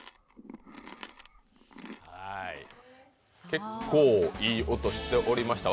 結構いい音しておりました。